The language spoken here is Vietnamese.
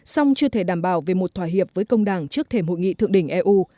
song chưa thể đảm bảo về một thỏa hiệp với công đảng trước thềm hội nghị thượng đỉnh eu